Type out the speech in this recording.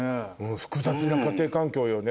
複雑な家庭環境よね